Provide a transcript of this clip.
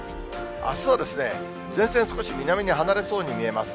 あすはですね、前線少し南に離れそうに見えます。